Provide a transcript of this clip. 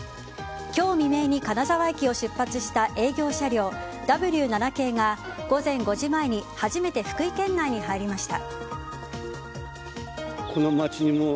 今日未明に金沢駅を出発した営業車両Ｗ７系が午前５時前に初めて福井県内に入りました。